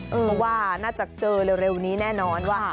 เพราะว่าน่าจะเจอเร็วนี้แน่นอนว่า